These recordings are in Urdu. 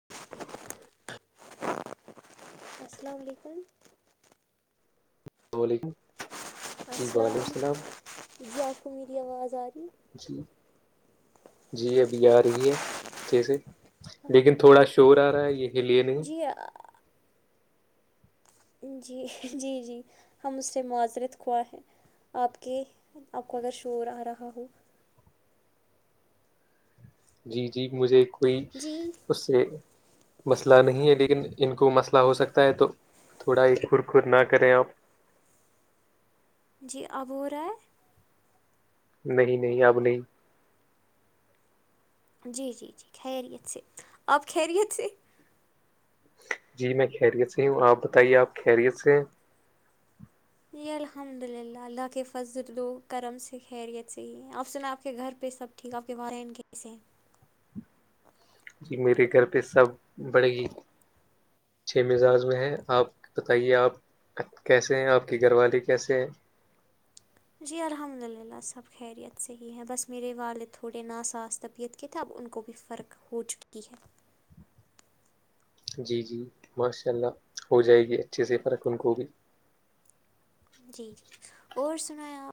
[unintelligible] السلام علیکم [unintelligible] جی السلام وعلیکم ع یاف مریواز آ رہی- جی -جی ابھی آ رہی ہے جیسے لیکن تھوڑا چور آ رہا ہے یہ کے لیے نہیں- کہ جی- جی- جی ہم اس سے معذرت خواہ ہیں آپ کے آپ کو اگر شور آ رہا ہو- جی- جی مجھے کوئی جی اس مسئلہ نہیں ہے لیکن ان کو مسئلہ ہو سکتا ہے تو- تھوڑا ہی کورکھور نہ کریں آپ- جی اب ہو رہا ہے- نہیں نہیں اب نہیں- جی- جی- جی خیریت سے آپ خیریت سے جی میں خیریت سے ہوں آپ بتائیے آپ خیریت سے ہیں- جی الحمد للہ اللہ کے فضرد کرم سے خیریت صحیح ہے اپ سنا آپ کے گھر پہ سب- ٹھیک آپ کے وہ ان کیس ہیں- جی میرے گھر پہ سب بڑے گی- چھ مزاج میں ہیں آپ بتائیے آپ- کیسے ہیں آپ کی گھر والی کیسے ہے- جی الحمد للہ سب خیریت صحیح ہے بس میرے والد تھوڑے ناسااز طبیعت- کتاب ان کو بھی فرق ہو چکی ہے- جی- جی ماشاء اللہ ہو جائے گی اچھے سے فرق ان کو بھی- جی- جی اور سنایا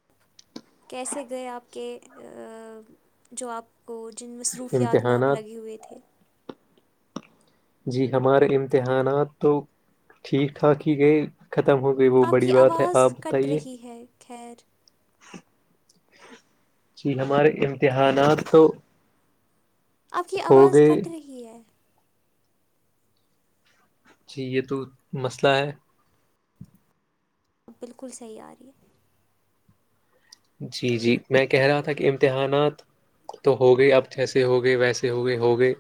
کیسے گئے آپ کے جو آپ- کو جن مصروفیات میں آپ امتحانات لگے ہوئے تھے- جی ہمارے امتحانات تو ٹھیک ٹھاک ہی گئی ختم ہو- وہ آپ بڑی کی بات ہے آواز آپ کٹ بتائیے- رہی ہے خیر جی ہمارے امتحانات تو- اب کی ہو آواز گئے کٹ رہی ہے- جی یہ تو مسئلہ ہے- بالکل صحیح آ رہی ہے- جی- جی میں کہہ رہا تھا کہ امتحانات تو ہو گئی اب جیسے ہو گئے ویسے ہو گئے ہو گئے-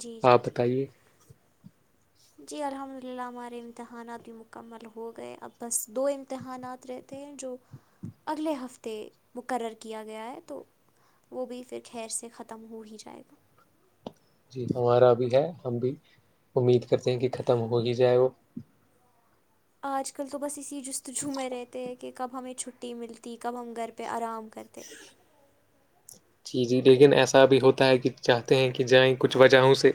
جی- جی آپ -جی- بتائیے جی الحمد للہ ہمارے امتحانات بھی مکمل ہو گئے اب بس دو امتحانات رہ- ہیں جو اگلے ہفتے مقرر کیا گیا ہے تو- وہ بھی پھر خیر سے ختم ہو ہی جائے گا- جی ہمارا بھی ہے ہم بھی امید کرتے ہیں کہ ختم ہو ہی جائے وہ- آج کل تو بس اسی جستجووم میں رہتے ہیں کہ کب ہمیں چھٹی ملتی کب ہم گھر پہ آرام کرتے- ت جی جی لیکن ایسا بھی ہوتا ہے کہ چاہتے ہیں کہ جائیں کچھ وجہوں سے-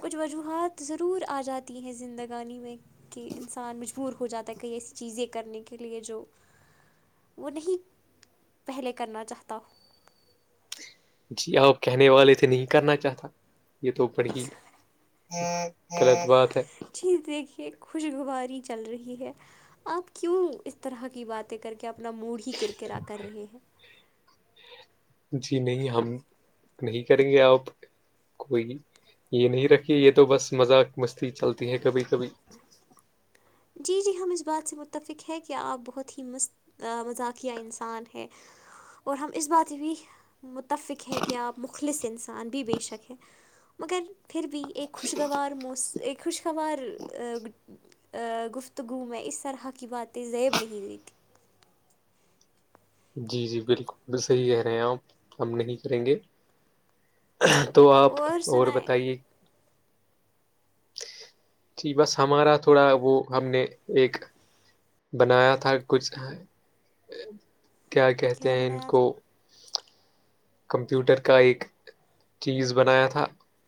کچھ وجوہات ضرور آ جاتی ہیں زندگانی میں کہ انسان مجبور ہو جاتا ہے کہئی ایسی چیزیں کرنے کے لئے جو وہ نہیں پہلے کرنا چاہتا جی آب کہنے والے تھے نہیں کرنا چاہتا یہ تو پڑی غلط بات ہے چیز دیکھیے خوشگواری چل رہی ہے آپ کیوں اس طرح کی بات کر کے اپنا موڈ ہی کررکرا کر رہے ہیں جی نہیں ہم نہیں کریں گے آپ کوئی یہ نہیں رکھی یہ تو بس مذاق مستی چلتی ہے کبھی کبھی جی جی ہما بات سے متفق ہے کہ آپ بہت ہی مست مذاقیہ انسان ہے [inaudible] مگر پھر بھی ایک خوشگوار موس ایک خوشگوار گفتگو میں اس طرح کی باتیں یب نہیں دیتی جی جی بالکل صحیح کہہ رہے ہیں آپ ہم نہیں کریں گے تو آپ اور بتائیے بس ہمارا تھوڑا وہ ہم نے ایک بنایا تھا کچھ کیا کہتے ہیں ان کو کمپیوٹر کا ایک چیز بنایا تھا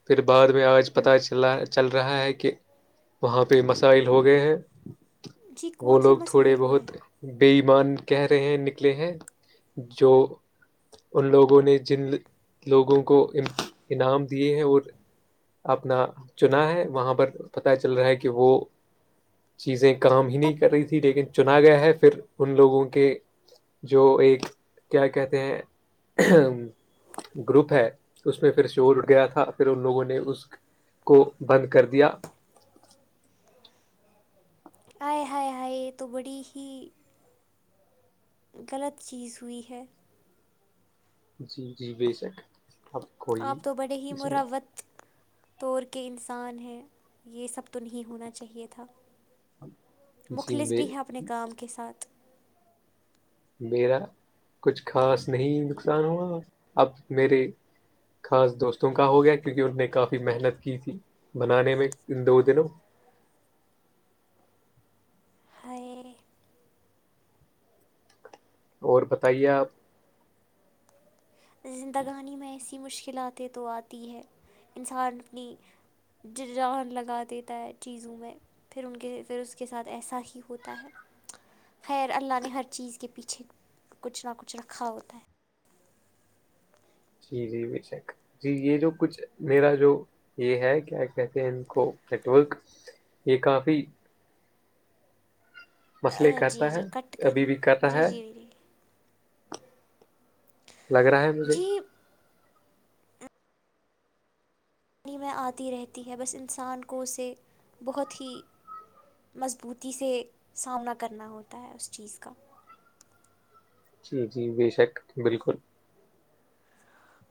پھر بعد میں آج تھا پتہ چل رہا ہے چل رہا ہے کہ وہاں پہ مسائل ہو گئے ہیں جی وہ کون سے لوگ مسائل تھوڑے ہوئے بہت بے ایمان کہہ رہے ہیں نکلے ہیں جو ان لوگ لوگوں نے جن لوگوں کو انعام دیے ہیں اور اپنا چنا ہے وہاں پر پتا چل رہا ہے کہ وہ چیزیں کام ہی تب نہیں کر رہی تھی لیکن چنا گیا ہے پھر ان لوگوں کے جو ایک کیا کہتے ہیں گروپ ہے اس میں پھر ش اٹھ گیا تھا پھر ان لوگوں نے اس کو بند کر دیا ہائے ہائے ہائے تو بڑی ہی غلط چیز ہوئی ہے جی جی بے شک آپ آپ تو بڑے ہی مروت توور کے انسان ہیں یہ سب تو نہیں ہونا چاہیے تھا جی مخلص میں بھی ہیں اپنے کام کے ساتھ میرا کچھ خاص نہیں نقصان ہوا اب میرے خاص دوستوں کا ہو گیا کیونکہ ان نے کافی محنت کی تھی بنانے میں ان دو دنوں ہائے اور بتائیے آپ زندگانی میں ایسی مشکلاتیں تو آتی ہے انسان اپنی جان لگا دیتا ہے چیزوں میں [inaudible] خیر اللہ نے ہر چیز کے پیچھے کچھ نہ کچھ رکھا ہوتا ہے چیز یہ بھی سیک جی یہ جو کچھ میرا جو یہ ہے کیا کہتے ہیں ان کو کٹک یہ کاف مسئلے جی کرتا جی ہے کٹ ابھی کریں بھی کرتا جی ہے جی بھی لگ رہا ہے مجھے جی پانی پانی میں آتی رہتی ہے بس انسان کو اسے بہت ہی مضبوطی سے سامنا کرنا ہوتا ہے اس چیز کا جی جی بے شک بالکل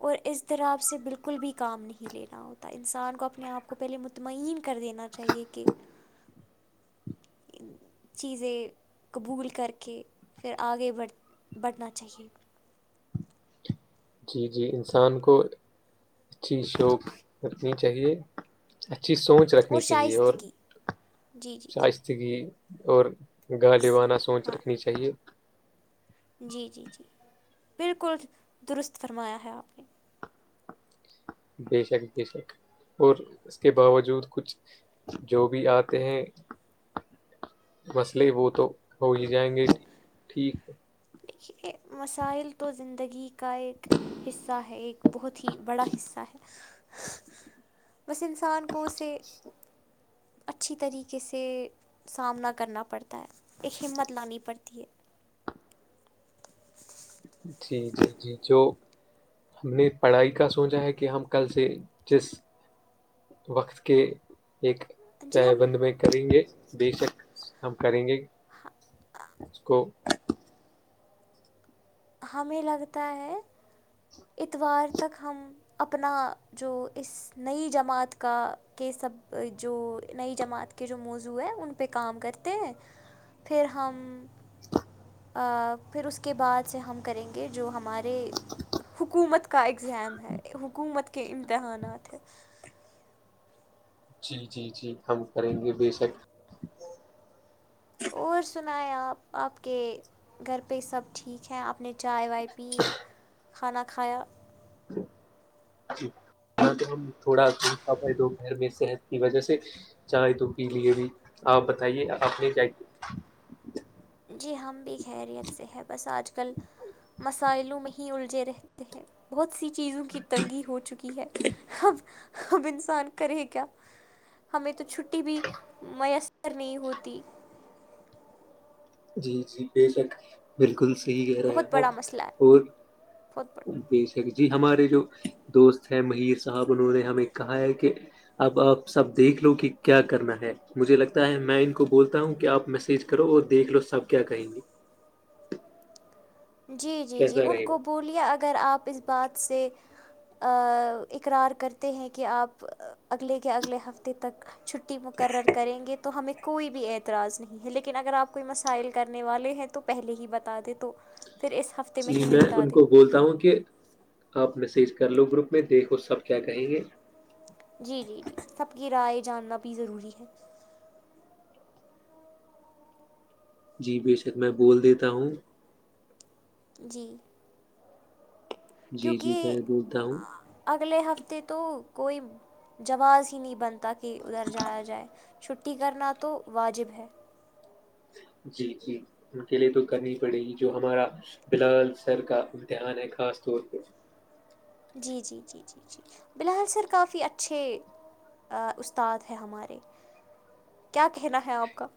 اور از طر آپ سے بالکل بھی کام نہیں لینا ہوتا انسان کو اپنے آپ کو پہلے مطمئن کر دینا چاہے کہ چیزیں قبول کر کے پھر آگے بڑھ بڑھنا چاہیے جی جی انسان کو اچھی شوق رکھنی چاہیے اچھی سوچ رکھنی چاہیے اور جی جی جی شائستہ ی اور گالی سے وانہ سوچ ہاں رکھنی چاہیے جی جی جی بالکل درست فرمایا ہے آپ نے بے شک بے شک اور اس کے باوجود کچھ جو بھی آتے ہیں مسئلے وہ تو ہو ہی جائیں گے ٹھیک ہے دیکھیے مسائل تو زندگی کا ایک حصہ ہے ایک بہت ہی بڑا حصہ ہے بس انسان کو اسے اچھی طریقے سے سامنا کرنا پڑتا ہے ایک ہمت لانی پڑتی ہے جی جی جی جو ہم نے پڑھائی کا سوچا ہے کہ ہم کل سے جس وقت کے ایک جی پائے ہم بند میں کریں گے بے شک ہم کریں گے اس کو ہمیں لگتا ہے اتوار تک ہم اپنا جو اس نئی جماعت کا کے سب جو نئی جماعت کا کے جو موضوع ہے ان پہ کام کرتے ہیں پھر ہم ا پھر اس کے بعد سے ہم کریں گے جو ہمارے حکومت کا اگزام ہے حکومت کے امتحانات ہے جی جی جی ہم کریں گے بے شک اور سنیں آپ آپ کے گھر پہ سب ٹھیک ہیں آپ نے چائے وائے پی کھانا کھایا تو تھوڑا دھا پائے دوپھر میں صحت کی وجہ سے چائےے تو کے لیے بھی آپ بتائیے اپ نے جٹ جی ہم بھی خیریت سے ہیں بس آج کل مسائلوں میں ہی الجے رہتے ہیں بہت سی چیزوں کی تنگی ہو چکی ہے اب اب انسان کرے کیا ہمیں تو چھٹی بھی میسر نہیں ہوتی جی جی بے شک بالکل صحیح کہہ رہے بہت ہ بڑا مسئلہ ہے اور بہت بڑا بی جی ہمارے جو دوست ہے مہیر صاحب انہوں نے ہمیں کہا ہے کہ اب آپ سب دیکھ لو کہ کیا کرنا ہے مجھے لگتا ہے میں ان کو بولتا ہوں کہ آپ میسج کرو وہ دیک لو سب کیا کہیں گی جی جی جی کیسا ان رہے گا کو بولیے اگر آپ اس بات سے اقرار کرتے ہیں کہ آپ اگلے کے اگلے ہفتے تک چھٹی مقرر کریں گے تو ہمیں کوئی بھی اعتراض نہیں ہے لیکن اگر آپ کوئی مسائل کرنے والے ہیں تو پہلے ہی بتا دیں تو پھر اس ہفتے جی ہی میں نپٹا ان دیں کو بولتا ہوں کہ آپ میسیج کر لو گروپ میں دیکھو سب کیا کہیں گے جی جی جی سب کی رائے جاننا بھی ضروری ہے جی بے شک میں بول دیتا ہوں جی جی جی کیونکہ میں بولتا ہوں اگلے ہفتے تو کوئی جواز ہی نہیں بنتا کہ ادھر جایا جائے چھٹی کرنا تو واجب ہے جی جی ان کے لیے تو کرنی پڑے گی جو ہمارا بلال سر کا امتحان ہے خاص طور پہ جی جی جی جی جی بی الحال سر کافی اچھے استاد ہیں ہمارے کیا کہنا ہے آپ کا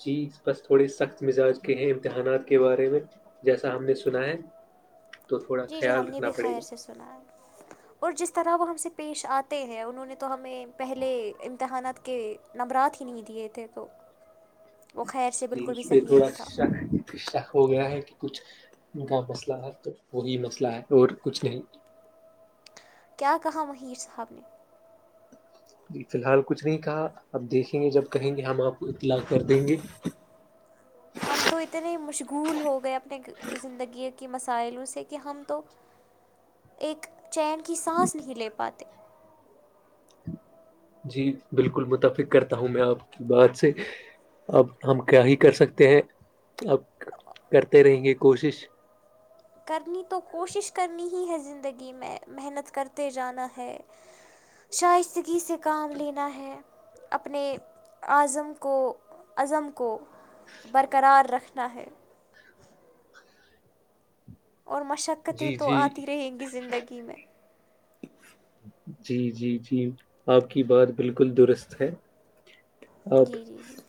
جی بس تھوڑے سخت مزاج کے ہیں امتحانات کے بارے میں جیسا ہم نے سنا ہے تو تھوڑا خیال رکھنا پڑے گا چنا اور جس طرح وہ ہم سے پیش آتے ہیں انہوں نے تو ہمیں پہلے امتحانات کے نبرات ہی نہیں دیے تھے تو وہ خیر سے جی بالکل اس بھی پہ صحیح تھوڑا نہیں تھا شک ہو گیا ہے کہ کچھ ان کا مسئلہ ہے تو وہی مسئلہ ہے اور کچھ نہیں کیا کہااں مہیر صاحب نے جی فی الحال کچھ نہیں کہا اب دیکھیں گے جب کہیں گے ہم آپ کو اطلاع کر دیں گے ہم تو اتنے مشغول ہو گئے اپنے زندگی کے مسائلوں سے کہ ہم تو ایک چین کی سانس نہیں لے پاتے جی بالکل متفق کرتا ہوں میں آپ کی بات سے اب ہم کیا ہی کر سکتے ہیں اب کرتے رہیں گے کوشش کرنی تو کوشش کرنی ہی ہے زندگی میں محنت کرتے جانا ہے شائستگی سے کام لینا ہے اپنے اظم کو عزم کو برقرار رکھنا ہے اور مشقتیں جی تو جی آتی رہیں گی زندگی میں جی جی جی آپ کی بات بالکل درست ہے آپ جی جی جی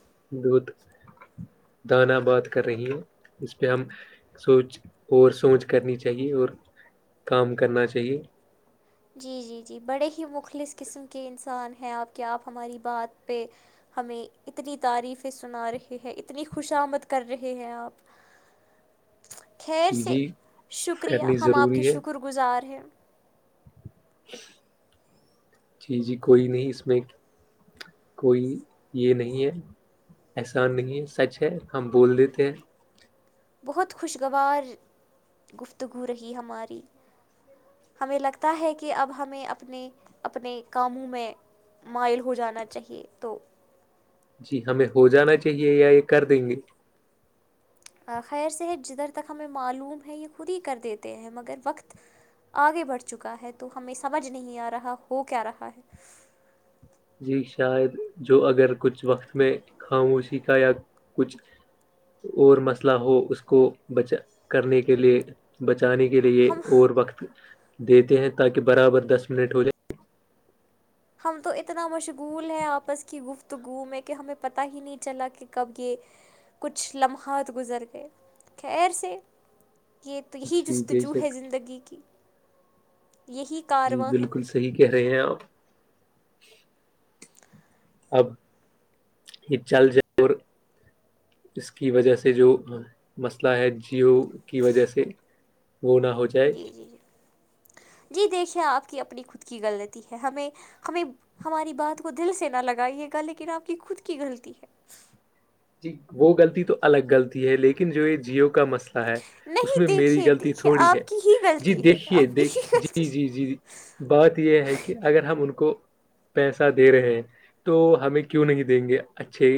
بہت دانہ بات کر رہی ہیں اس پہ ہم سوچ اور سونچ کرنی چاہیے اور کام کرنا چاہیے جی جی جی بڑے ہی مخلص قسم کے انسان ہیں آپ کے آپ ہماری بات پہ ہمیں اتنی تعریفیں سنا رہے ہیں اتنی خوش آمد کر رہے ہیں آپ خیر جی سے جی شکریہ کرنی ہم آپ کے ضروری ہے شکر گزار ہیں جی جی کوئی نہیں اس میں کوئی یہ نہیں ہے احسان نہیں ہے سچ ہے ہم بول دیتے ہیں بہت خوشگوار گفتگو رہی ہماری ہمیں لگتا ہے کہ اب ہمیں اپنے اپنے کاموں میں مائل ہو جانا چاہیے تو جی ہمیں ہو جانا چاہیے یا یہ کر دیں گے خیر سے جدھر تک ہمیں معلوم ہے یہ خود ہی کر دیتے ہیں مگر وقت آگے بڑھ چکا ہے تو ہمیں سمجھ نہیں آ رہا ہو کیا رہا ہے جی شاید جو اگر کچھ وقت میں خاموشی کا یا کچھ اور مسئلہ ہو اس کو بچا کرنے کے لیے بچانے کے لیئے ہم اور وقت دیتے ہیں تاکہ برابر دس منٹ ہو جائے ہم تو اتنا مشغول ہے آپس کی گفتگو میں کہ ہمیں پتہ ہی نہیں چلا کہ کب یہ کچھ لمحات گزر گئے خیر سے یہ تو یہی جی بے جستجو شک ہے زندگی کی یہی جی کارواں ہے بالکل صحیح کہہ رہے ہیں آپ اب یہ چل جائے اور اس کی وجہ سے جو مسئلہ ہے جیو کی وجہ سے وہ نہ ہو جائے جی جی جی جی دیکھیے آپ کی اپنی خود کی غلطی ہے ہمیں ہمیں ہماری بات کو دل سے نہ لگائیے گا لیکن آپ کی خود کی غلطی ہے جی وہ غلطی تو الگ غلطی ہے لیکن جو یہ جیو کا مسئلہ ہے اس نہیں میں میری دیکھیے غلط دیکھیے تھوڑی ہے آپ کی ہی جی غلطی ہے دیکھیے آپ کی دیکھ ہی جی غلطی ہے جی جی بات یہ ہے کہ اگر ہم ان کو پیسہ دے رہے ہیں تو ہمیں کیوں نہیں دیں گے اچھے